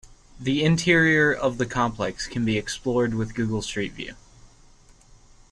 The interior of the complex can be explored with Google Street View.